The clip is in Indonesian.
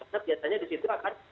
karena biasanya di situ akan